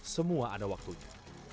semua ada waktunya